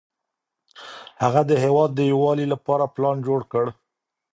هغه د هېواد د یووالي لپاره پلان جوړ کړ.